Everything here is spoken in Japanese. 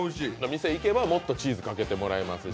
店に行けばもっとチーズかけてもらえますし。